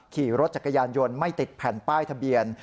ขี่รถจักรยานยนต์ไม่ติดแผ่นป้ายทะเบียน